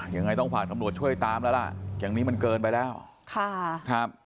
ยังไงต้องฝากตำรวจช่วยตามแล้วล่ะอย่างนี้มันเกินไปแล้วค่ะครับ